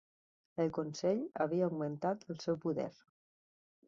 El Consell havia augmentat el seu poder.